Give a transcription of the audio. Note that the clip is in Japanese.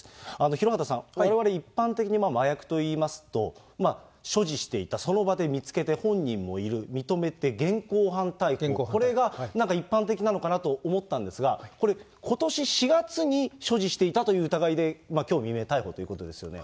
廣畑さん、われわれ一般的に麻薬といいますと、まあ所持していた、その場で見つけて、本人もいる、認めて現行犯逮捕、これがなんか一般的なのかなと思ったんですが、これ、ことし４月に所持していたという疑いで、きょう未明逮捕ということですよね。